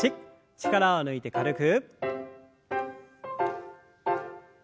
力を抜いて軽く。